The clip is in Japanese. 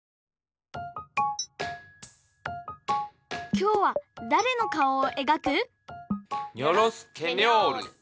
きょうはだれのかおをえがく？